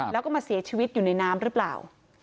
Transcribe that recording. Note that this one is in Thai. แล้วก็มาเสียชีวิตอยู่ในน้ำหรือเปล่า